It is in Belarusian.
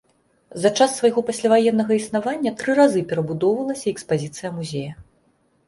За час свайго пасляваеннага існавання тры разы перабудоўвалася экспазіцыя музея.